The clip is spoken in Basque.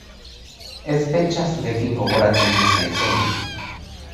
Ez pentsa zurekin gogoratzen ez naizenik.